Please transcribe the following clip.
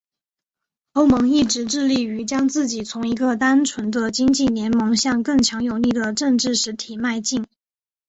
欧盟一直致力于将自己从一个单纯的经济联盟向更强有力的政治实体迈进。